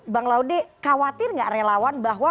bang laude khawatir gak relawan bahwa